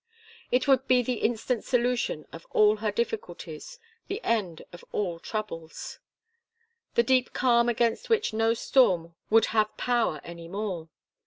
It would be the instant solution of all difficulties, the end of all troubles. The deep calm against which no storm would have power any more.